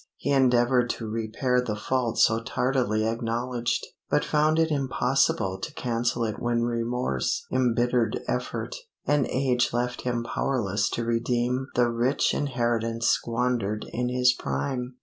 He endeavored to repair the fault so tardily acknowledged, but found it impossible to cancel it when remorse, embittered effort, and age left him powerless to redeem the rich inheritance squandered in his prime.